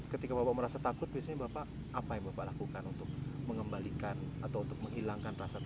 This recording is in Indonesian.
ketika bapak merasa takut biasanya bapak apa yang bapak lakukan untuk mengembalikan atau untuk menghilangkan rasa takut